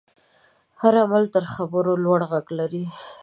هر عمل تر خبرو لوړ غږ لري.